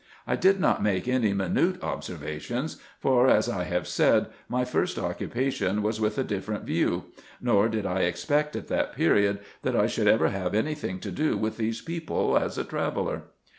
I did not make any minute observations, for, as I have said, my first occupation was with a different view ; nor did I expect at that period, that I should ever have any thing to do with these people, as a traveller.